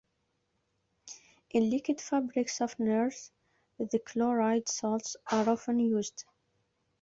In liquid fabric softeners, the chloride salts are often used.